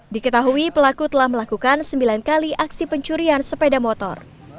diketahui pelaku telah melakukan sembilan kali aksi pencurian sepeda motor